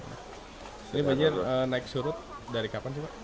ini banjir naik surut dari kapan cipa